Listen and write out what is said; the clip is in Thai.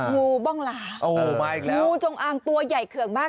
งูบ้องหลางูจงอ่างตัวใหญ่เขื่องมาก